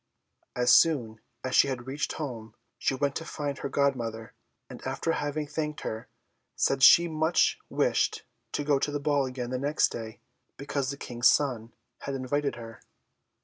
As soon as she had reached home, she went to find her godmother; and after having thanked her, said she much wished to go to the ball again the next day, because the King's son had invited her.